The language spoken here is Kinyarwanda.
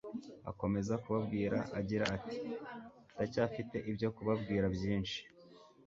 Akomeza kubabwira agira ati: "Ndacyafite ibyo kubabwira byinshi,